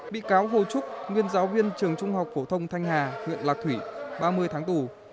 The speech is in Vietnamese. bị cáo hồ trúc nguyên giáo viên trường trung học phổ thông thanh hà huyện lạc thủy ba mươi tháng tù